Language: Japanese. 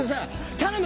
「頼む！